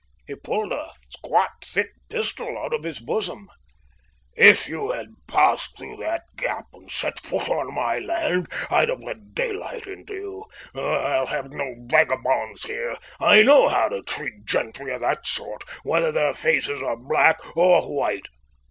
He pulled a squat, thick pistol out of his bosom. "If you had passed through that gap and set foot on my land I'd have let daylight into you. I'll have no vagabonds here. I know how to treat gentry of that sort, whether their faces are black or white."